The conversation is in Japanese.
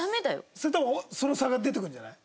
それ多分その差が出てくるんじゃない？